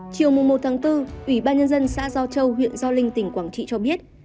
chiều một bốn ủy ban nhân dân xã giao châu huyện giao linh tỉnh quảng trị cho biết